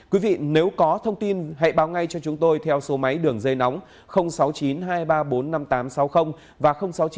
quý vị nếu có thông tin hãy báo ngay cho chúng tôi theo số máy đường dây nóng sáu mươi chín hai trăm ba mươi bốn năm nghìn tám trăm sáu mươi và sáu mươi chín hai trăm ba mươi hai một nghìn sáu trăm sáu mươi bảy